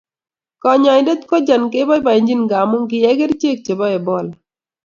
kanyaindet kojan kebabainchin ngamu kiyai kerichek che bo ebola